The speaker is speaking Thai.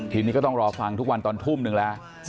ทีนี้ก็ต้องรอฟังทุกวันตอนทุ่มนึงแล้ว